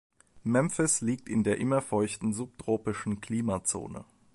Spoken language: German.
Memphis liegt in der immerfeuchten subtropischen Klimazone.